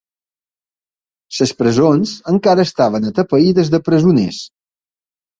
Les presons encara estaven atapeïdes de presoners